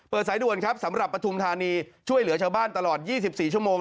สายด่วนครับสำหรับปฐุมธานีช่วยเหลือชาวบ้านตลอด๒๔ชั่วโมง